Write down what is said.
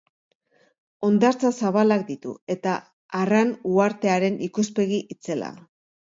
Hondartza zabalak ditu eta Arran uhartearen ikuspegi itzela.